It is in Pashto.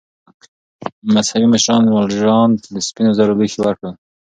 مذهبي مشر ژان والژان ته د سپینو زرو لوښي ورکړل.